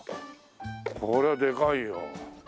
これはでかいよ。